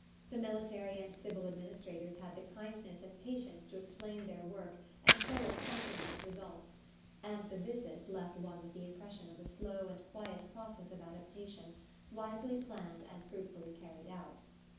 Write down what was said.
The military and civil administrators had the kindness and patience to explain their work and show us something of its results; and the visit left one with the impression of a slow and quiet process of adaptation wisely planned and fruitfully carried out.